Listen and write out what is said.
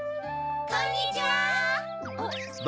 ・こんにちは！